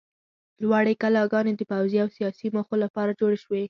لوړې کلاګانې د پوځي او سیاسي موخو لپاره جوړې شوې.